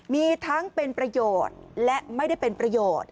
มีทั้งเป็นประโยชน์และไม่ได้เป็นประโยชน์